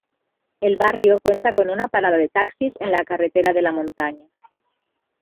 El barrio cuenta con una parada de taxis en la carretera de La Montaña.